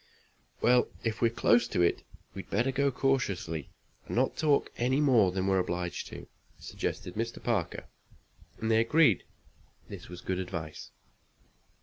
"Well, if we're close to it, we'd better go cautiously, and not talk any more than we're obliged to," suggested Mr. Parker, and they agreed that this was good advice.